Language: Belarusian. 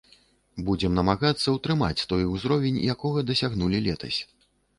Будзем намагацца ўтрымаць той узровень, якога дасягнулі летась.